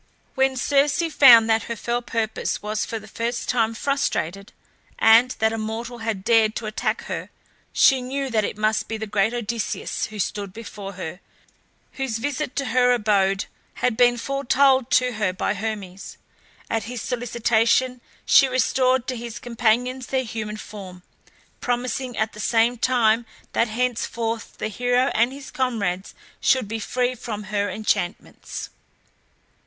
When Circe found that her fell purpose was for the first time frustrated, and that a mortal had dared to attack her, she knew that it must be the great Odysseus who stood before her, whose visit to her abode had been foretold to her by Hermes. At his solicitation she restored to his companions their human form, promising at the same time that henceforth the hero and his comrades should be free from her enchantments.